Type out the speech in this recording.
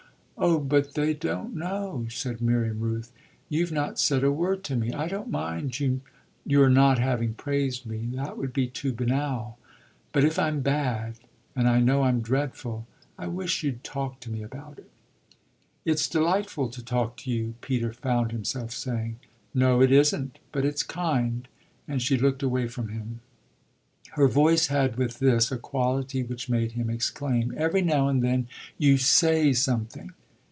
"Oh but they don't know!" said Miriam Rooth. "You've not said a word to me. I don't mind your not having praised me; that would be too banal. But if I'm bad and I know I'm dreadful I wish you'd talk to me about it." "It's delightful to talk to you," Peter found himself saying. "No, it isn't, but it's kind"; and she looked away from him. Her voice had with this a quality which made him exclaim: "Every now and then you 'say' something